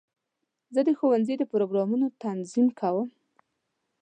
زه د ښوونځي د پروګرامونو تنظیم کوم.